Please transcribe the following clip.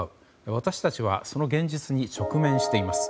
私たちはその現実に直面しています。